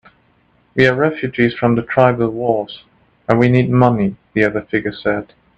"We're refugees from the tribal wars, and we need money," the other figure said.